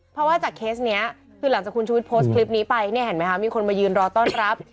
เพราะว่าจากเคสนี้คือหลังจากคุณชุวิตโพสต์คลิปนี้ไปเนี่ยเห็นไหมคะมีคนมายืนรอต้อนรับ